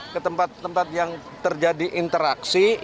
ke tempat tempat yang terjadi interaksi